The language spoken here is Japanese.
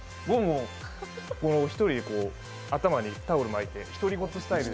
一人で頭にタオル巻いて、独り言スタイルで。